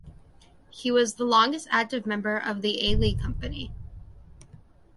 He was the longest active member of the Ailey company.